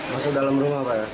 masuk dalam rumah pak